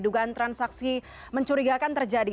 dugaan transaksi mencurigakan terjadi